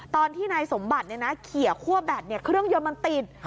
ตอนที่นายสมบัติเขี่ยคั่วแบตเครื่องยนต์มันติด